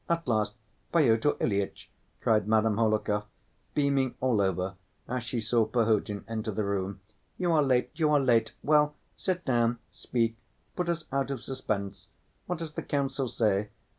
At last, Pyotr Ilyitch!" cried Madame Hohlakov, beaming all over as she saw Perhotin enter the room. "You are late, you are late! Well, sit down, speak, put us out of suspense. What does the counsel say.